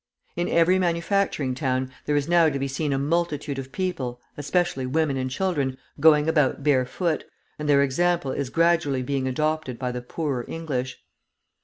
In every manufacturing town there is now to be seen a multitude of people, especially women and children, going about barefoot, and their example is gradually being adopted by the poorer English.